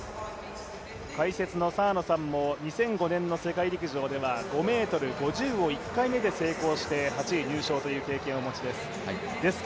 解説の澤野さんも２００５年の世界陸上では５ｍ５０を１回目で成功して８位入賞という経験をお持ちです。